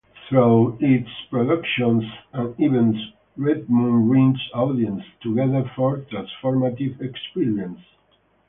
Through its productions and events Redmoon brings audiences together for transformative experiences.